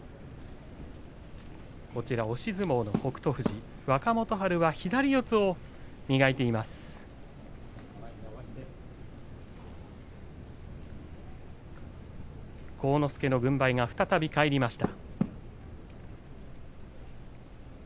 押し相撲の北勝富士若元春は左四つを磨いています。